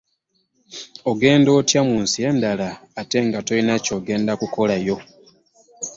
Ogenda otya mu nsi eddala ate nga tolina ky'ogenda kukolayo?